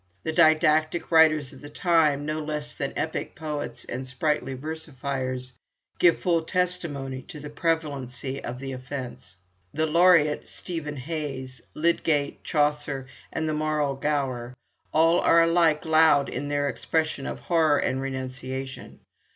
The didactic writers of the time, no less than epic poets and sprightly versifiers, give full testimony to the prevalency of the offence. The laureate, Stephen Hawes, Lydgate, Chaucer and the "moral Gower," all are alike loud in their expression of horror and renunciation.